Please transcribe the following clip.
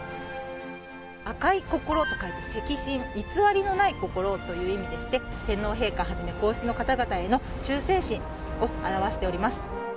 赤い心と書いて、赤心、偽りのない心という意味でして、天皇陛下はじめ皇室の方々への忠誠心を表しております。